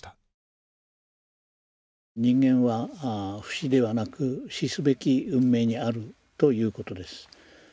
人間は不死ではなく死すべき運命にあるということです。